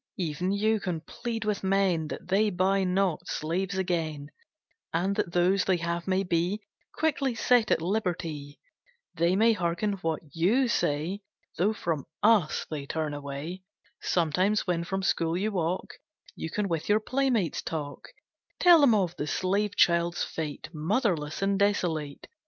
Even you can plead with men That they buy not slaves again, And that those they have may be Quickly set at liberty. They may hearken what you say, Though from us they turn away. Sometimes, when from school you walk, You can with your playmates talk, Tell them of the slave child's fate, Motherless and desolate.